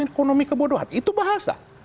ekonomi kebodohan itu bahasa